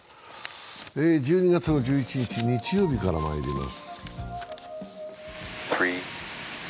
１２月１１日、日曜日からまいります。